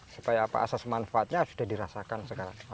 supaya apa asas manfaatnya sudah dirasakan oleh masyarakat semua